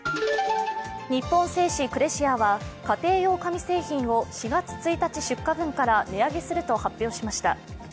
日本製紙クレシアは、家庭用紙製品を４月１日出荷分から値上げすると発表しました。